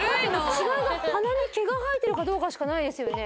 違いが鼻に毛が生えてるかどうかしかないですよね。